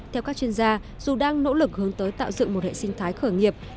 theo các chuyên gia dù đang nỗ lực hướng tới tạo dựng một hệ sinh thái khởi nghiệp